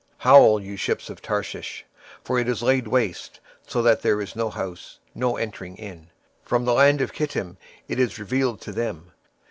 Howl, ye ships of Tarshish; for it is laid waste, so that there is no house, no entering in: from the land of Chittim it is revealed to them.